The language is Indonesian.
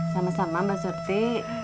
sama sama mbak surti